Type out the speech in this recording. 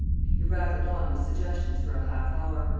He rattled on with suggestions for a half hour.